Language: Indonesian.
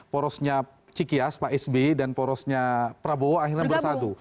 porosnya cikyas pak sb dan porosnya prabowo akhirnya bersatu